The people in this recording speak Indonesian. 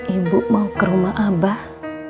ibu mau ke rumah abah